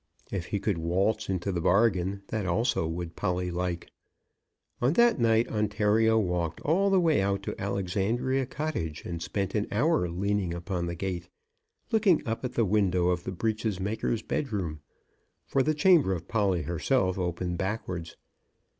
If he could waltz into the bargain, that also would Polly like. On that night Ontario walked all the way out to Alexandria Cottage, and spent an hour leaning upon the gate, looking up at the window of the breeches maker's bedroom; for the chamber of Polly herself opened backwards.